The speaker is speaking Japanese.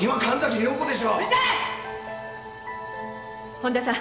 本田さん